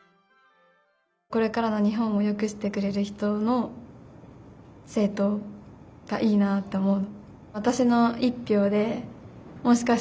これからの日本をよくしてくれる人の政とうがいいなと思う。